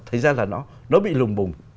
thấy ra là nó bị lùng bùng